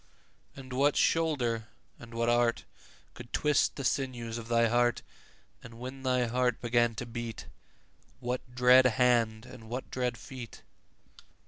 And what shoulder and what art Could twist the sinews of thy heart? 10 And when thy heart began to beat, What dread hand and what dread feet?